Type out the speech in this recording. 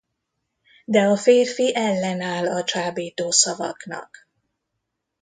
De a férfi ellenáll a csábító szavaknak.